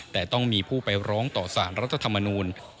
แต่ต้องมีผู้ไปร้องต่อสารรัฐธรรมนูล